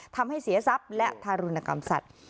ทำให้เสียทรัพย์และทารุณกรรมสัตว์